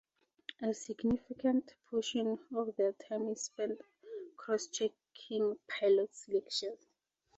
A significant portion of their time is spent cross checking pilot selections.